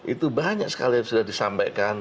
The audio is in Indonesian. itu banyak sekali yang sudah disampaikan